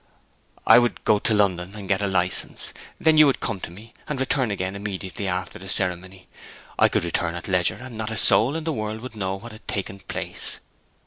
'I would go away to London and get a license. Then you could come to me, and return again immediately after the ceremony. I could return at leisure and not a soul in the world would know what had taken place.